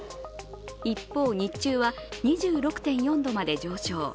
一方、日中は２６．４度まで上昇。